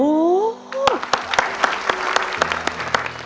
ก็คือหมอเขาก็ยังตกใจค่ะค่ะ